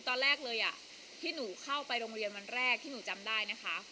ตอนแรกเลยที่หนูเข้าไปโรงเรียนวันแรกที่หนูจำได้นะคะ